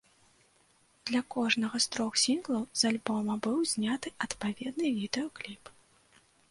Для кожнага з трох сінглаў з альбома быў зняты адпаведны відэа-кліп.